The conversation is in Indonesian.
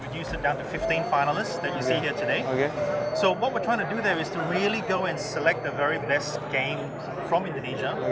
jadi apa yang kami lakukan adalah memilih game terbaik dari indonesia